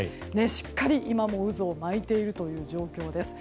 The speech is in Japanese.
しっかり今も渦を巻いている状況です。